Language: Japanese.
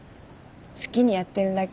好きにやってるだけ。